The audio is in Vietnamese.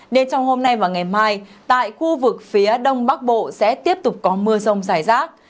nên trong hôm nay và ngày mai tại khu vực phía đông bắc bộ sẽ tiếp tục có mưa rông rải rác